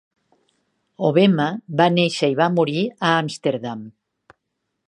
Hobbema va néixer i va morir a Amsterdam.